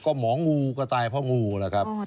ก็หมองูก็ตายเพราะงูล่ะครับ